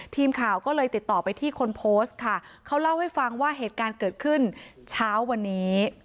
ทีมข่าวก็เลยติดต่อไปที่คนโพสต์ค่ะเขาเล่าให้ฟังว่าเหตุการณ์เกิดขึ้นเช้าวันนี้